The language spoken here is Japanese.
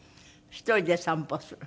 １人で散歩する。